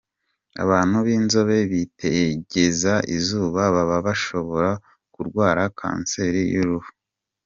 Abantu b’inzobe bitegeza izuba baba bashobora kurwara Kanseri y’uruhu.